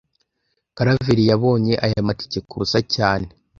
Karaveri yabonye aya matike kubusa cyane